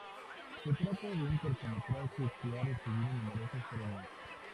Se trata de un cortometraje que ha recibido numerosos premios.